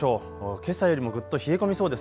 けさよりもぐっと冷え込みそうです。